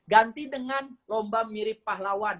ganti dengan lomba mirip pahlawan